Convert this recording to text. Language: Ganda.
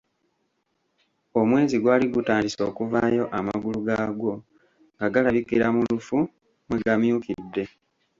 Omwezi gwali gutandise okuvaayo amagulu gaagwo nga galabikira mu lufu mwe gamyukidde.